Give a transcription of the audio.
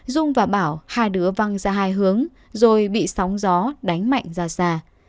dung và bảo hai đứa văng ra hai hướng rồi bị sóng gió đánh mạnh ra xa